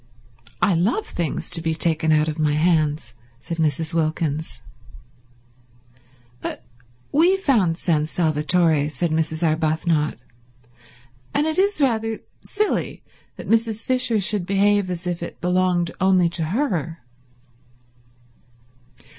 "I love things to be taken out of my hands," said Mrs. Wilkins. "But we found San Salvatore," said Mrs. Arbuthnot, "and it is rather silly that Mrs. Fisher should behave as if it belonged only to her."